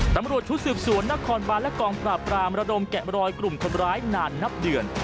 ตำรวจชุดสืบสวนนครบานและกองปราบรามระดมแกะมรอยกลุ่มคนร้ายนานนับเดือน